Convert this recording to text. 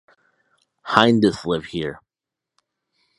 Hindus live here.